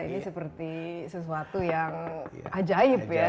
ini seperti sesuatu yang ajaib ya